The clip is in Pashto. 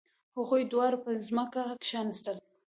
هغوی دواړه په ځمکه کښیناستل.